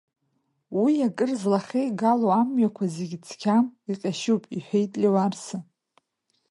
Уи акыр злахеигало амҩақәа зегьы цқьам, иҟьашьуп, — иҳәеит Леуарса.